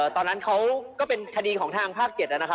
ตอนนั้นเขาก็เป็นคดีของทางภาค๗